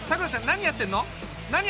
何やってんの？